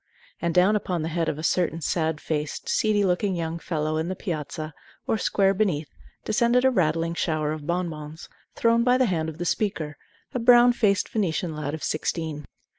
And down upon the head of a certain sad faced, seedy looking young fellow in the piazza, or square, beneath, descended a rattling shower of bonbons, thrown by the hand of the speaker, a brown faced Venetian lad of sixteen.